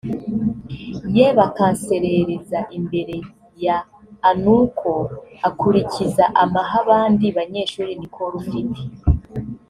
ye bakanserereza imbere y an uko ukurikiza amahabandi banyeshuri nicole ufite